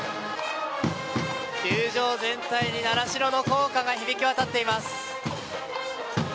球場全体に習志野の校歌が響き渡っています。